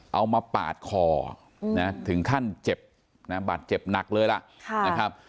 เอามาปาดคอถึงขั้นเจ็บปาดเจ็บหนักเลยละ